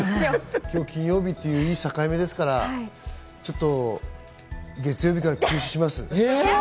金曜日といういい境目ですから月曜日から休止します。